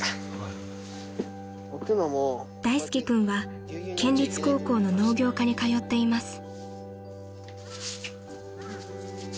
［大介君は県立高校の農業科に通っています］